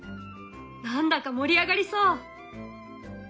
何だか盛り上がりそう！